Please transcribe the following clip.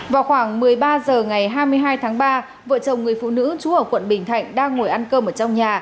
vào khoảng một mươi ba h ngày hai mươi hai tháng ba vợ chồng người phụ nữ trú ở quận bình thạnh đang ngồi ăn cơm ở trong nhà